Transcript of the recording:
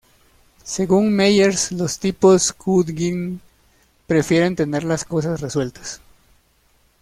Según Myers, los tipos Judging prefieren tener "las cosas resueltas.